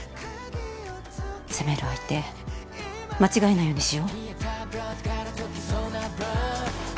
責める相手間違えないようにしよ。